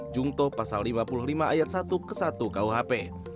jungto pasal lima puluh lima ayat satu ke satu kuhp